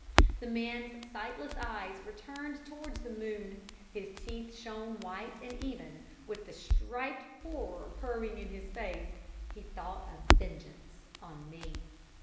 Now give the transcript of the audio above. "The man's sightless eyes were turned towards the moon, his teeth shone white and even; with the striped horror purring in his face, he thought of vengeance on me.